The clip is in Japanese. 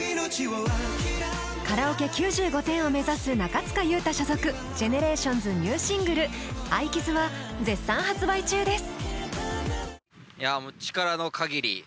カラオケ９５点を目指す中務裕太所属ＧＥＮＥＲＡＴＩＯＮＳニューシングル「愛傷」は絶賛発売中です